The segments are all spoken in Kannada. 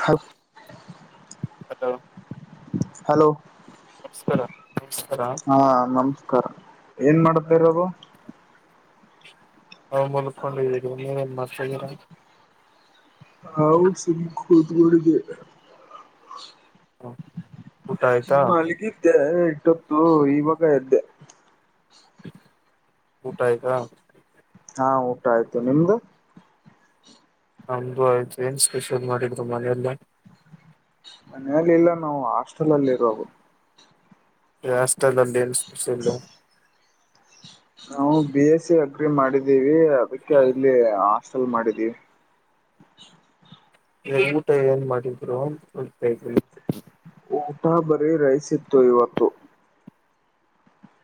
ಹ ಹಲೋ ಹಲೋ ನಮಸ್ಕಾರ ನಮಸ್ಕಾರ ಹಾ ನಮಸ್ಕಾರ ಏನ್ ಮಾಡತಾ ಇರೋದು ನೀವು ಏನ್ ಮಲ್ಕೊಂಡನ್ ಮಾಡ್ತಾ ಇದೀರ [unintelligible] ಹ, ಊಟ ಆಯ್ತಾ ಮಲ್ಲಿಗಿದ್ದೆ ಇಟ್ಟೊತ್ತು ಇವಾಗ ಇದದ್ದೆ ಊಟ ಆಯಿತಾ ಹಾ ಊಟ ಆಯ್ತು ನಿಮ್ದು ನಮ್ದು ಆಯ್ತು ಏನ್ ಸ್ಪೆಷಲ್ ಮಾಡಿದ್ರು ಮನೆಯಲ್ಲ ಮನೆಯಲ್ಲಿ ಇಲ್ಲ ನಾವು ಹಾಸ್ಟೆಲ್ ಅಲ್ಲಿ ಇರುದು ಹಾಸ್ಟೆಲಲ್ಲಿ ಏನ್ ಸ್ಪೆಷಲ್ಲು ನಾವು ಬಿ ಎಸ್ ಸಿ ಅಗ್ರಿ ಮಾಡಿದ್ದೀವಿ ಅದಕ್ಕೆ ಅಲ್ಲಿ ಹಾಸ್ಟೆಲ್ ಮಾಡಿದೀವಿ ಈ ಊಟ ಏನ್ ಮಾಡಿದ್ರು ಊಟ ಬರೀ ರೈಸ್ ಇತ್ತು ಇವತ್ತು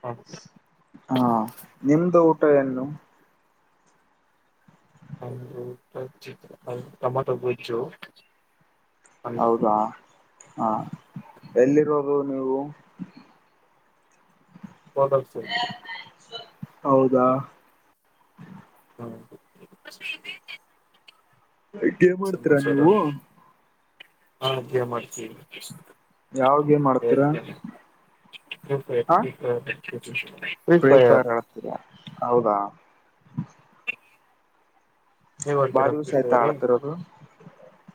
ಹಾ ಹಾ ನಿಮ್ದ ಊಟ ಏನು ನಮ್ದು ಊಟ ಟೊಮಟೊ ಗೊಜ್ಜು ಅನ್ನ ಹೌದಾ ಹ ಎಲ್ಲಿರುವೋದು ನೀವು [unintelligible] ಹೌದಾ ಹಾ ಹ ಸಮಾಚಾರ ಹಾ ಅಧ್ಯೇ ಮಾಡ್ತೀವಿ ಯಾವ ಗೇಮ್ ಆಡ್ತೀರಾ ಹಾ [unintelligible] ಫ್ರೀ ಫೈರ್ ಆಗ್ತಿದ್ದೆ ಹೌದಾ ನೀವ್ ಬಾ ಆಡ್ತೀರಾ ದಿವ್ಸ ಫ್ರೀ ಆಯ್ತಾ ಫೈರ್ ಆಳ್ತಿರೋದು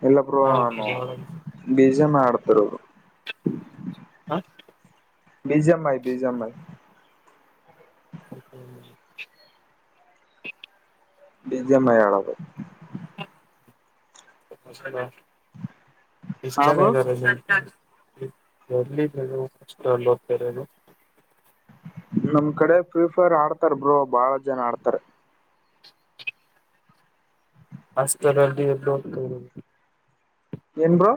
ಎಲ್ಲಬ್ರು ಹಾ ನಾನು ಬಿಜಿಎಂ ಮಾಡ್ತಿರೋದು ಹಾ ಬಿಜಿಎಂ ಬಿಜಿಎಂ ಹ್ಮ ಬಿಜಿಎಂ ಮಾಡೋದು ಹಾ ಬ್ರೋ [unintelligible] ಎಲ್ಲಿ ಕಷ್ಟ ಹೋಗ್ತರನು ನಮ್ ಕಡೆ ಫ್ರೀ ಫೈರ್ ಆಡ್ತಾರ್ ಬ್ರೋ ಬಾಳ ಜನ ಆಡ್ತಾರೆ ಅಷ್ಟರಲ್ಲಿ ಎ ಹೋಗ್ತ ಏನ್ ಬ್ರೋ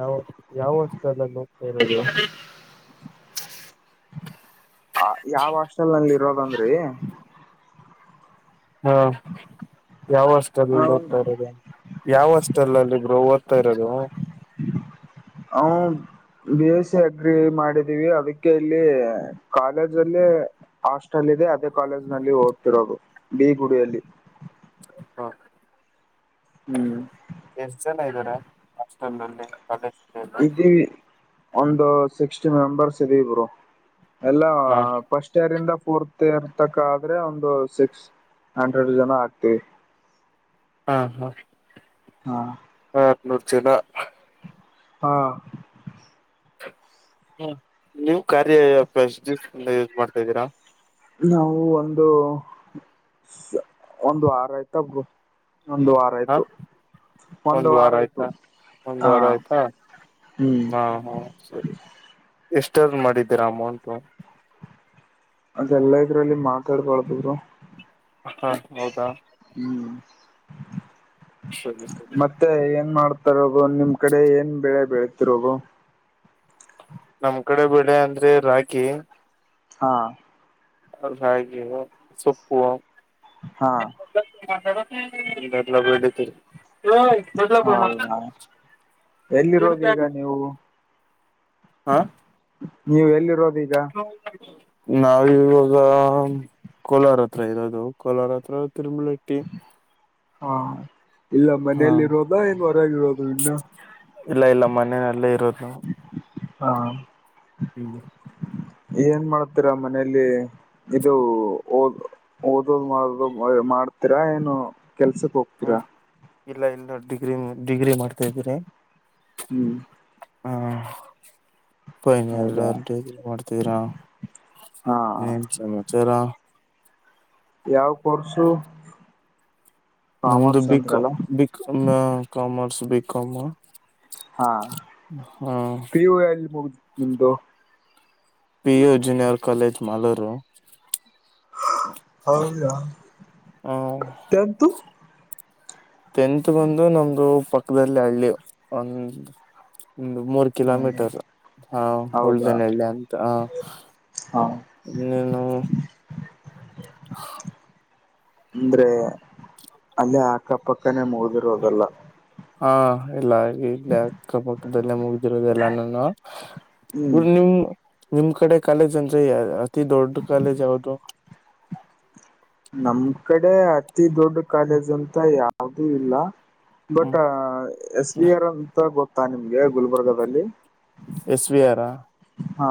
ಯಾವ ಯಾವ ಹಾಸ್ಟೆಲ್ ಅಲ್ಲಿ ಇರೋದು. ಆ ಯಾವ ಹಾಸ್ಟೆಲ್ ಅಲ್ಲಿ ಇರೋದಂದ್ರಿ. ಹಾ ಯಾವ ಹಾಸ್ಟೆಲ್ ಅಲ್ಲಿ ನಾವು ಓದ್ತಾ ಇರೋದು. ಯಾವ ಹಾಸ್ಟೆಲ್ ಅಲ್ಲಿ ಬ್ರೋ ಓದ್ತಾ ಇರೋದು. [unintelligible] ಬಿ ಎಸ್ ಸಿ ಅಗ್ರಿ ಮಾಡಿದೀವಿ ಅದಕ್ಕೆ ಇಲ್ಲಿ ಕಾಲೇಜ್ ಅಲ್ಲಿ. ಹಾಸ್ಟೆಲ್ ಇದೆ ಅದೇ ಕಾಲೇಜ್ ನಲ್ಲಿ ಓದ್ತಿರೋದು ಬಿ ಗುಡಿಯಲ್ಲಿ. ಹಾ. ಹ್ಮ್. ಎಷ್ಟ ಜನ ಇದಾರೆ ಹಾಸ್ಟೆಲ್ ಅಲ್ಲಿ. [inaudible] ಇದೀವಿ ಒಂದು ಸಿಕ್ಸ್ಟಿ ಮೆಂಬರ್ಸ್ ಇದೀವ ಬ್ರೋ ಎಲ್ಲ. ಹಾ. ಫಸ್ಟ್ ಇಯರ್ ಇಂದ ಫೋರ್ತ್ ಇಯರ್ ತಕ್ ಆದ್ರೆ ಒಂದು ಸಿಕ್ಸ್ ಹಂಡ್ರೆಡ್ ಜನ ಆಗ್ತಿವಿ. ಹಾ ಹಾ. ಹಾ. ಹ ಆರನೂರ ಜನಾ. ಹಾ. ಹ್ಮ ನೀವು ಕಾರ್ಯ ಆಪ್ ಫಸ್ಟ್ ಇಂದ ಯೂಸ್ ಮಾಡ್ತಾ ಇದ್ದೀರಾ. ನಾವು ಒಂದು. ಒಂದು ಆರ ತ [unintelligible] ಒಂದುಾರ. ಹಾ. ಒಂದ ವಾರ ಆಯ್ತು ಆಯ್ತಾ ಒಂದ ಹಾ ವಾರ ಆಯ್ತಾ ಹ್ಮ್ ಹಾ ಹಾ. ಸರಿ ಎಷ್ಟ್ ಅರ್ನ ಮಾಡಿದ್ದೀರಾ ಅಮೌಂಟು. ಅದೆಲ್ಲ ಇದ್ರಲ್ಲಿ ಮಾತಾಡಬಾರ್ದು ಬ್ರೋ. ಹಾ ಹೌದಾ. ಹ್ಮ್ ಸರಿ ಸರಿ ಮತ್ತೆ ಏನ್ ಮಾಡತ ಸರಿ ಬ್ರೋ ನಿಮ್ ಕಡೆ ಏನ್ ಬೆಳೆ ಬೆಳತಿರ ಬ್ರೋ. ನಮ್ ಕಡೆ ಬೆಳೆ ಅಂದ್ರೆ ರಾಗಿ. ಹಾ. ರಾಗಿ [unintelligible] ಸೊಪ್ಪು. ಹಾ. [unintelligible] [inaudible] ಹೌದಾ ಎಲ್ಲಿರೋದು ಈಗ ನೀವು ಹಾ. ನೀವು ಎಲ್ಲಿರೋದ ಈಗ. ನಾವ್ ಇವಾಗ. ಕೋಲಾರ ಹತ್ರ ಇರೋದು ಕೋಲಾರ ಹತ್ರ ತಿರುಮಳೆಟ್ಟಿ. ಹಾ ಇಲ್ಲ ಹಾ ಮನೆಯಲ್ಲಿರೋದಾ ಇನ್ ಹೊರಗರೋದು ಇನ್ನ. ಇಲ್ಲ ಇಲ್ಲ ಮನೆಯಲ್ಲೇ ಇರೋದು. ಹಾ. ಹ್ಮ್. ಏನ್ ಮಾಡತೀರ ಮನೇಲಿ. ಇದು ಓದ ಓದದ್ ಮಾಡ ಮಾಡ್ತೀರಾ ಏನು ಕೆಲ್ಸಕ್ ಹೋಗ್ ಹ ತೀರಾ. ಇಲ್ಲ ಇಲ್ಲ ಡಿಗ್ರಿ ಡಿಗ್ರಿ ಮಾಡ್ತಾದ್ದೀರಾ. ಹ್ಮ್. ಹ್ಮ್. ಬೈನ ಹೌದಾ ಎಲ್ಲಾರ ಡಿಗ್ರಿ ಮಾಡ್ತರಾ ಹಾ ಏನ್ ಸಮಾಚಾರ. ಯಾವ ಕೊರ್ಸು. ನಮ್ದು B com B com commerce ಬಿಕಾಮ. ಹಾ ಪಿ ಯು ಎಲ್ಲಿ ಮುಗ್ದ ನಿಮ್ದು. P U junior college Malur. ಹೌದಾ ಹ [unintelligible] ಟೆಂತ್ ಬಂದು ನಮ್ದು ಪಕ್ಕದಲ್ಲಿ ಹಳ್ಳಿ ಒ ಮೂರ್ ಹೌದಾ ಕಿಲೋಮೀಟರ್ ಹಾ ಹೌದಾ ಉಳ್ಳ್ದನಳ್ಳ ಅಂತ ಹ. ಹಾ ನೀನು. ಅಂದ್ರೆ ಅಲ್ಲೇ ಅಕ್ಕಪಕ್ಕನೇ ಮುಗ್ದಿರದಲ್ಲ. ಹಾ ಎಲ್ಲ ಇಲ್ಲಿ ಅಕ್ಕಪಕ್ಕದಲ್ಲೇ ಮುಗ್ದಿರೋದೆಲ್ಲಾನುನು. ಹ್ಮ್ ಇ ನಿಮ ನಿಮ್ ಕಡೆ ಕಾಲೇಜ್ ಅಂದ್ರೆ ಅತಿ ದೊಡ್ಡ ಕಾಲೇಜ್ ಯಾವ್ದದು. ನಮ್ ಕಡೆ ಅತಿ ದೊಡ್ಡ ಕಾಲೇಜ್ ಅಂತ ಯಾವ್ದೂ ಇಲ್ಲ. ಹ್ಮ್ ಬಟ್ ಎಸ್ ಬಿ ಆರ್ ಅಂತ ಗೊತ್ತಾ ನಿಮ್ಗೆ ಗುಲ್ಬರ್ಗದಲ್ಲಿ. ಎಸ್ ಬಿ ಆರಾ. ಹಾ.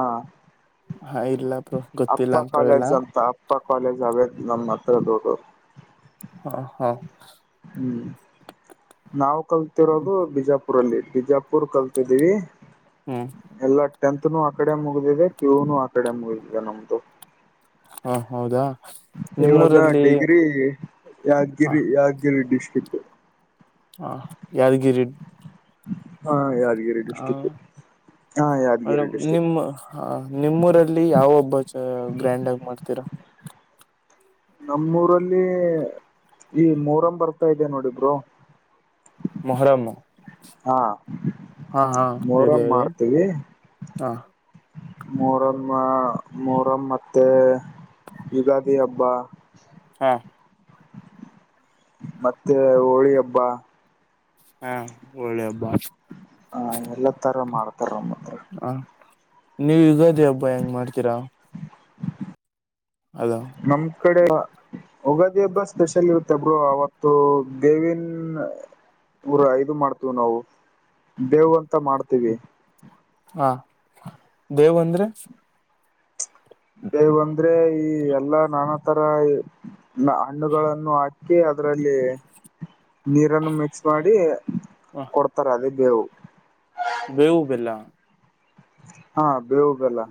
ಹಾ ಇಲ್ಲ ಬ್ರೋ. ಗೊತ್ತಿಲ್ಲ ಅಪ್ಪ ಅಂತವೆಲ್ಲ ಕಾಲೇಜ್ ಅಂತ ಅಪ್ಪ ಕಾಲೇಜ್ ಅವೇ ನಮ್ಮ ಹತ್ರ ದೊಡ್ಡದು. ಹಾ ಹಾ. ಹ್ಮ. ನಾವು ಕಲ್ತಿರೋದು ಬಿಜಾಪುರಲ್ಲಿ ಬಿಜಾಪುರ್ ಕಲ್ತಿದ್ದೀವಿ. ಹ್ಮ್. ಎಲ್ಲ ಟೆಂತ್ನು ಆಕಡೆ ಮುಗಿದಿದೆ ಪಿಯುನು ಆಕಡೆ ಮುಗಿದಿದೆ ನಮ್ದು. ಹಾ ಹೌದಾ. ಇವಾಗ ನಿಮ್ಮೂರಲ್ಲಿ ಡಿಗ್ರಿ ಹ ಯಾದಗಿರಿ ಯಾದಗಿರಿ ಡಿಸ್ಟ್ರಿಕ್. ಹಾ ಯಾದಗಿರಿ. ಹಾ ಯಾದಗಿರಿ ಹ ಡಿಸ್ಟಿಕ್ ಹಾ ಯಾದಗಿರಿ ಡಿಸ್ಟ್ರಿಕ್. ಹಾ ನಿಮ್ಮೂರಲ್ಲಿ ಯಾವ ಹಬ್ಬಾ ಚ ಗ್ರ್ಯಾಂಡ್ ಆಗಿ ಮಾಡ್ತೀರಾ. ನಮ್ಮೂರಲ್ಲಿ ಈ ಮೂರಹಂ ಬರ್ತಾ ಇದೆ ನೋಡಿ ಬ್ರೋ. ಮೊಹರಂ. ಹಾ ಹಾ ಹಾ ಹೇಳಿ ಮೋರಂ ಹೇಳಿ ಮಾಡ್ತೀವಿ. ಹಾ ಮೊರಮ್ಮ ಮೊರಂ ಮತ್ತೆ ಯುಗಾದಿ ಹಬ್ಬ. ಹಾ. ಮತ್ತೆ ಹೋಳಿ ಹಬ್ಬ. ಹಾ ಹೋಳಿ ಹಬ್ಬಾ. ಹ ಎಲ್ಲ ತರ ಮಾಡ್ತಾರ ನಮ್ಮ ಹತ್ರ. ಹ ನೀವ ಯುಗಾದಿ ಹಬ್ಬ ಹೆಂಗ್ ಮಾಡ್ತೀರಾ. ಹಲೋ. ನಮ ಕಡೆ ಉಗಾದಿ ಹಬ್ಬ ಸ್ಪೆಷಲ್ ಇರುತ್ತೆ ಅಬ್ರು ಅವತ್ತು ಬೇವಿನ ಊರ ಇದು ಮಾಡ್ತೇವಿ ನಾವು ಬೇವು ಅಂತ ಮಾಡ್ತೀವಿ. ಹಾ ಬೇವ ಅಂದ್ರೆ. ಬಂದ್ರೆ ಈ ಎಲ್ಲಾ ನಾನಾ ತರ ಹಣ್ಣುಗಳನ್ನು ಹಾಕಿ ಹಾಕಿ ಅದ್ರಲ್ಲಿ ನೀರನ್ನು ಮಿಕ್ಸ್ ಮಾಡಿ ಹ ಕೊಡ್ತಾರೆ ಅದೇ ಬೆವು ಬೇವು ಬೆಲ್ಲ ಹಾ ಬೇವು ಬೆಲ್ಲ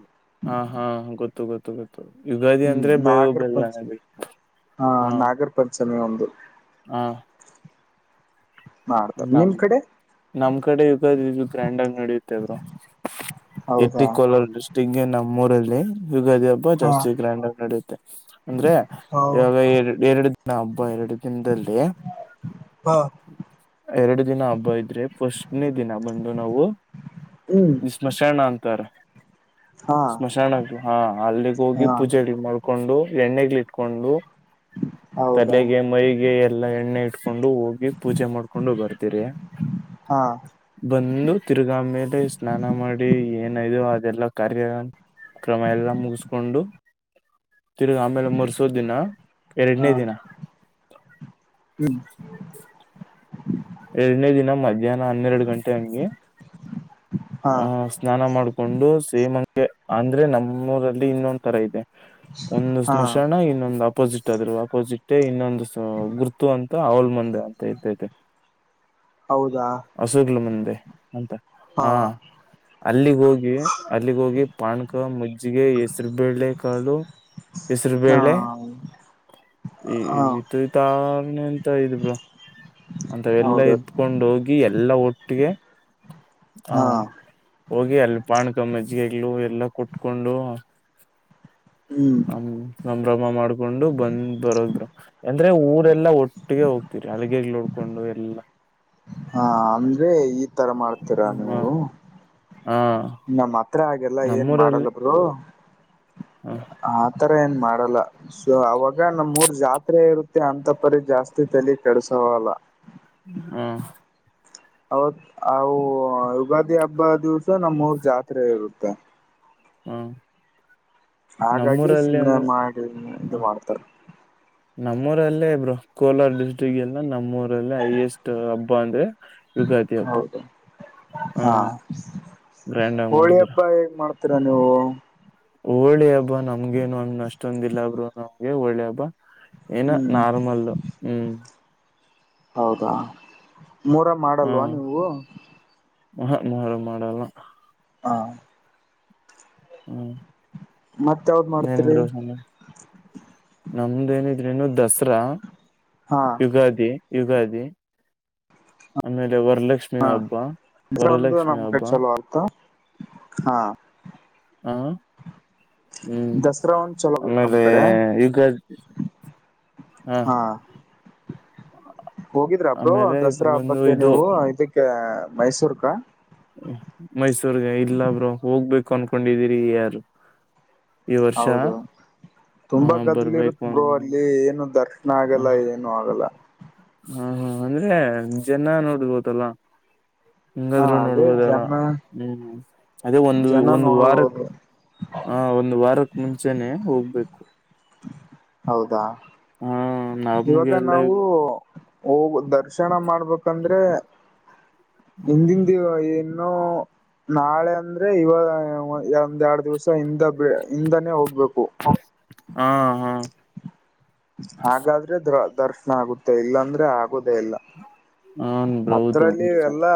ಹಾ ಹಾ ಗೊತ್ತ ಗೊತ್ತು ಗೊತ್ತು ಗೊತ್ತು ಯುಗಾದಿ ಹ್ಮ್ ಅಂದ್ರೆ ಬೆಳವು ನಾಗರ ಬೆನ ಹಾ ಪ್ರಪ್ಪಚನ ಒಂದು ಹಾ ಮಾಡ್ತಾರೆ ನಮ್ ನಿಮ್ ಕಡೆ ನಮ್ ಕಡೆ ಯುಗಾದ ಇದು ಗ್ರ್ಯಾಂಡ್ ಆಗ ನಡಿಯುತ್ತೆಬ್ರು ಹೌದಾ ಇಲ್ಲಿ ಕೋಲಾರ ಡಿಸ್ಟಿಕ್ಗೆ ನಮ್ಮ್ ಊರಲ್ಲಿ ಯುಗಾದಿ ಹಬ್ಬ ಹಾ ಜಾಸ್ತಿ ಗ್ರ್ಯಾಂಡ್ ಆಗಿ ನಡುತ್ತೆ ಅಂದ್ರೆ ಹೌ ಇವಾಗ ಎ ಎರಡು ದಿನ ಹಬ್ಬ ಎರಡು ದಿನದಲ್ಲಿ ಹಾ ಎರಡು ದಿನ ಹಬ್ಬ ಇದ್ರೆ ಫಸ್ಟ್ನೇ ದಿನ ಬಂದು ನಾವು ಹ್ಮ್ ಸ್ಮಶಾನ ಅಂತಾರ ಹಾ ಸ್ಮಶಾನ ಹಾ ಅಲ್ಲಿಗೆ ಹೋಗಿ ಹಾ ಪೂಜೆಗಳಿಗೆ ಮಾಡ್ ಕೊಂಡು ಎಣ್ಣೆಗ್ಗಳ ಇಟ್ಕೊಂಡು ಹೌದಾ ತಲೆಗೆ ಮೈಗೆ ಎಲ್ಲಾ ಎಣ್ಣೆ ಇ ಇಟ್ಕೊಂಡು ಹೋಗಿ ಪೂಜೆ ಮಾಡ್ಕೊಂಡು ಬರ್ತೀರಿ ಹಾ ಬಂದು ತಿರ್ಗಾ ಮೇಲೆ ಸ್ನಾನ ಮಾಡಿ ಏನಯೋ ಅದೆಲ್ಲ ಕಾರ್ಯ ಕ್ರಮ ಎಲ್ಲಾ ಮುಗಿಸಕೊಂಡು ತಿರುಗಿ ಆಮೇಲೆ ಮರ್ಸೋ ದಿನ ಹಾ ಎರಡನೇ ದಿನ ಹ್ಮ್ ಎರಡನೇ ದಿನ ಮಧ್ಯಾಹ್ನ ಹನ್ನೆರಡು ಗಂಟೆ ಅಂಗೇ ಹಾ ಹ ಸ್ನಾನ ಮಾಡ್ಕೊಂಡು ಸೇಮಂಗೆ ಅಂದ್ರೆ ನಮ್ಮೂಊರಲ್ಲಿ ಇನ್ನೊಂದ್ ತರ ಇದೆ ಒಂದು ಹಾ ಸ್ಮಶಾನ ಇನ್ನೊಂದು ಅಪ್ಪ ಅಪೋಸಿಟ್ ಆದ್ರು ಅಪೋಸಿಟ್ ಇನ್ನೊಂದು ಗುರ್ತು ಅಂತ ಅವಲ್ ಮಂದೆ ಅಂತ ಇರ್ತೈತೆ ಹೌದಾ ಹಸುಗ್ಲು ಮುಂದೆ ಅಂತ ಹಾ ಹ್ಮ ಅಲ್ಲಿಗ ಹೋಗಿ ಅಲ್ಲಿಗ್ ಹೋಗಿ ಪಾಣಕ ಮಜ್ಜಿಗೆ ಹೆಸರು ಬೇಳೆ ಕಾಳು ಹೆಸರು ಹಾ ಬೇಳೆ ಹಾ ಈ ತುತಾರಣೆ ಅಂತ ಇದ್ ಬಿಳ ಅಂತವೆಲ್ಲ ಹೌದ ಇದ್ದ್ ಕಕೊಂಡ ಹೋಗಿ ಎಲ್ಲ ಒಟ್ಟಿಗೆ ಹಾ ಹೋಗಿ ಅಲ್ಲಿ ಪಾಣಕಮ್ಮಜ್ಜಿಗೆಗಳು ಎಲ್ಲ ಕುಟ್ಕೊಂಡು ಹ ಹ್ಮ್ ಸಂಭ್ರಮ ಮಾಡ್ಕೊಂಡು ಬಂದ್ ಬರೋದ್ರು ಅಂದ್ರೆ ಊರೆಲ್ಲಾ ಒಟ್ಟಿಗೆ ಹೋಗ್ತಿರಿ ಹಳಗ್ ನೋಡ್ಕೊಂಡು ಎಲ್ಲಾ ಹಾ ಅಂದ್ರೆ ಈ ತರ ಮಾಡ್ ಹ್ಮ ಹ್ಮ ಹಾ ನಮ್ಮ್ ಹತ್ರ ಹಾಗೆಲ್ಲ ಏನ್ ನಮ್ಮೂರಲ್ಲಿ ಮಾಡಲ್ಲಬರು ಹ ಆ ತರ ಏನ್ ಮಾಡಲ್ಲ ಸೊ ಅವಾಗ ನಮ ಮೂರ್ ಜಾತ್ರೆ ಇರುತ್ತೆ ಅಂತ ಪರಿ ಜಾಸ್ತಿ ತಲಿ ಕಡಸವಲ್ಲ ಹಾ ಹೌತ್ ಅವು ಯುಗಾದಿ ಹಬ್ಬ ದಿವಸ ನಮ್ಮರ್ ಜಾತ್ರೆ ಇರುತ್ತೆ ಹ್ಮ್ ಹಾಗಾಗಿ ಶಿಮ ಮಾಡ ಇದು ಮಾಡ್ತಾರೆ ನಮ್ಮೂರಲ್ಲೇ ಬ ಕೋಲಾರ ಡಿಸ್ಟ್ರಿಕ್ ಎಲ್ಲ ನಮ್ಮೂರಲ್ಲಿ ಹೈಯೆಸ್ಟ್ ಹಬ್ಬ ಅಂದ್ರೆ ಯುಗತಿ ಅಬ ಹೌದು ಹಾ ಗ್ರ್ಯಾಂಡ್ ಆಗಿ ಹೋಳಿ ಮಾಡಿದೀರ ಹಬ್ಬ ಹೇಗ್ ಮಾಡ್ತೀರಾ ನೀವು ಹೋಳಿ ಹಬ್ಬ ನಮ್ಗೇನು ಅಂದ ಅಷ್ಟೊಂದ ಇಲ್ಲಾಬ್ರು ನಮ್ಗೆ ಹೋಳೆ ಹಬ್ಬ ಏನ ಹ್ಮ್ ನಾರ್ಮಲ್ ಹ್ಮ್ ಹೌದಾ ಮೂರ ಮಾಡಲ್ವಾ ನೀವು ಹ ಮಾಡ ಮಾಡಲ್ಲ ಹಾ ಹ್ಮ್ ಮತ್ತ ಯಾವ್ದ್ ನನ್ ಮಾಡ್ತೀರಿ ಬ ನಮ್ದೇನಿದ್ರಿ ಇನ್ನು ದಸರಾ ಹಾ ಯುಗಾದಿ ಯುಗಾದಿ ಆಮೇಲೆ ವರಲಕ್ಷ್ಮಿ ಲಕ್ಷ್ಮಿ ಹಾ ಅಬ್ಬಾ ದಸರಾ ಒಂದು ವರಲಕ್ಷ್ಮಿ ನಮ್ ಕಡೆ ಅಬ್ಬಾ ಚಲೋ ಆಗುತ್ತ ಹಾ ಹಾ ಹ್ಮ್ ದಸರಾ ಒಂದ್ ಚಲೋ ಆಗುತ್ತ ನಮ್ ಆಮೇಲೆ ಕಡೆ ಈಗ ಹಾ ಹೋಗಿದ್ರ ಅಬ್ರೋ ಆಮೇಲೆ ದಸರಾ ಒಂದು ಹಬ್ಬಕ್ಕೆ ಇದು ನೀವು ಇದಕ್ಕೆ ಮೈಸೂರ್ಕ ಮೈಸೂರ್ಗೆ ಇಲ್ಲಬ್ರು ಹೋಗ್ಬೇಕು ಅನ್ಕೊಂಡಿದೀರಿ ಯಾರು ಈ ವರ್ಷ ಹೌದು ಹ ತುಂಬಾ ಗದ್ಲಿ ಇರುತ್ತ ಬರ್ಬೇಕು ಬ್ರೋ ಅಲ್ಲಿ ಅ ಏನು ದರ್ಶನ ಆಗಲ್ಲ ಏನು ಆಗಲ್ಲ ಹಾ ಹಾ ಅಂದ್ರೆ ಜನ ನೋಡಬೋದಲ್ಲ ಹಾ ಹಿಂಗಾದ್ರು ಅದೇ ನೋಡ್ಬೋದಲ್ಲ ಜನ ಹ್ಮ್ ಅದೇ ಒಂದು ಜನ ಒಂದು್ ವಾರ ನೋಡುವುದು ಹ ಒಂದು ವಾರಕ್ ಮುಂಚೆನೆ ಹೋಗ್ಬೇಕು ಹೌದಾ ಹಾ ಇವಾಗ ನಮ್ಗೆಲ್ಲ ನಾವು ಹೋಗ ದರ್ಶನ ಮಾಡ್ಬೇಕಂದ್ರೆ ಹಿಂದಿಂದಿವ ಏನ್ ನೋ ನಾಳೆ ಅಂದ್ರೆ ಇವಾಗ ಎಂದ ಎರಡು ದಿವ್ಸ ಹಿಂದ ಹಿಂದಾನೇ ಹೋಗ್ಬೇಕು ಹ್ಮ ಹ್ಮ ಹಾಗಾದ್ರೆ ದ ದರ್ಶನ ಆಗುತ್ತೆ ಇಲ್ಲಾಂದ್ರೆ ಆಗೋುದೇ ಇಲ್ಲ ಹನ್ ಬ್ರೋ ಹೌದು ಅದ್ರಲ್ಲಿ ನಿಜ ಎಲ್ಲಾ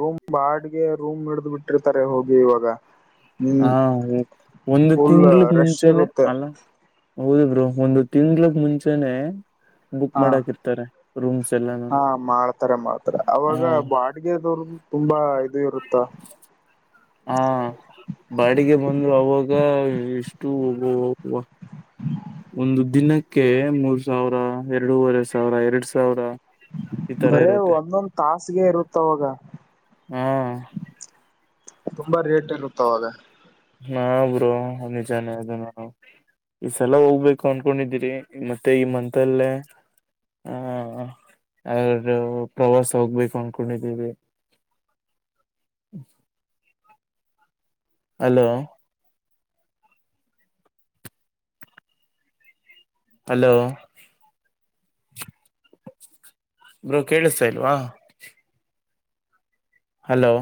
ರೂಮ್ ಬಾಡ್ಗೆ ರೂಮ್ ಹಿಡ್ದ್ ಬಿಟ್ಟಿರ್ತಾರೆ ಹೋಗಿ ಇವಾಗ ಹಾ ಹ್ಮ್ ಒಂದು ಫುಲ್ ತಿಂಗಳಕ್ ರಶ್ ಮುಂಚೆನೆ ಇರುತ್ತೆ ಅಲ್ಲ ಹೌದ ಬ್ರರು ಒಂದು ತಿಂಗ್ಳಕ್ ಮುಂಚೆನೆ ಬುಕ್ ಹ ಮಾಡಕ ಇರ್ತಾರೆ ರೂಮ್ಸ್ ಎಲ್ಲ ಹಾ ಹಾ ಅಗೆದವರು ತುಂಬಾ ಇದು ಇರುತ್ತಾ ಹಾ ಬಾಡಿಗೆ ಬಂದ್ರು ಅವಾಗ ಎಷ್ಟು ಒಬ್ಬ ಒಂದು ದಿನಕ್ಕೆ ಮೂರ್ ಸಾವಿರ ಎರಡೂವರೆ ಸಾವಿರ ಎರಡ್ ಸಾವಿರ ಈ ತರ ಬರೇ ಇರುತ್ತೆ ಒಂದೊಂದ್ ತಾಸಗೆ ಇರುತ್ತವಾಗ ಹ್ಮ್ ತುಂಬಾ ರೇಟ್ ಇರುತ್ತಾವಾಗ ನಾ ಬರುೋ ನಿಜಾನ ಅದು ನಾ ಈ ಸಲ ಹೋಗ್ಬೇಕು ಅನ್ಕೊಂಡಿದೀರಿ ಮತ್ತೆ ಈ ಮಂತಲ್ಲೇ ಹ ಆದ ಪ್ರವಾಸ ಹೋಗ್ಬೇಕು ಅನ್ಕೊಂಡಿದೀವಿ ಹಲೋ ಹಲೋ ಬ್ರೊ ಕೇಳಿಸ್ತಾ ಇಲ್ವಾ. ಹಲೋ